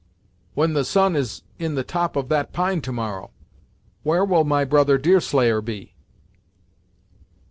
"When the sun is in the top of that pine to morrow, where will my brother Deerslayer be?"